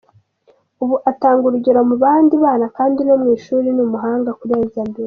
Ubu atanga urugero mu bandi bana, kandi no mu ishuri ni umuhanga kurenza mbere”.